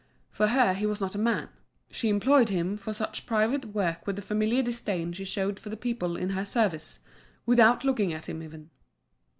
For her he was not a man; she employed him for such private work with the familiar disdain she showed for the people in her service, without looking at him even.